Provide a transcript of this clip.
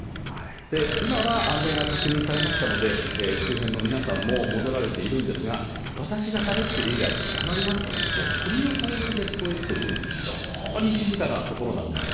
今は安全が確認されましたので、周辺の皆さんも戻られているんですが、私がしゃべってる以外、黙りますとね、鳥のさえずりが聞こえるというような、非常に静かな所なんです。